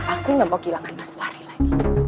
aku gak mau kehilangan mas fahri lagi